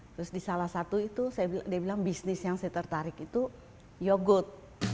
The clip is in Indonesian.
terus di salah satu itu dia bilang bisnis yang saya tertarik itu yogut